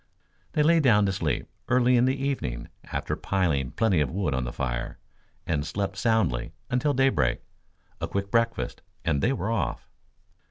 They lay down to sleep early in the evening after piling plenty of wood on the fire, and slept soundly until daybreak. A quick breakfast and they were off.